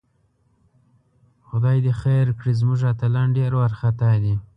خدای دې خیر کړي، زموږ اتلان ډېر وارخطاء دي